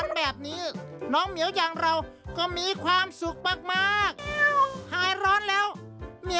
ไม่ใช่นึงลองเสร็จ